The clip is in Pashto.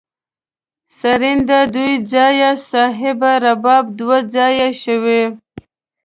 سرینده دوه ځایه صاحبه رباب دوه ځایه شو.